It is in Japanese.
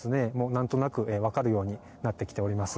何となく分かるようになってきております。